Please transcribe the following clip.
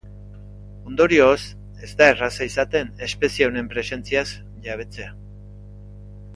Ondorioz, ez da erraza izaten espezie honen presentziaz jabetzea.